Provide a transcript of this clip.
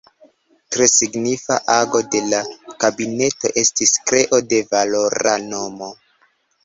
Tre signifa ago de la kabineto estis kreo de valora mono.